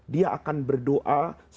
dia akan berdoa dengan allah dan manusia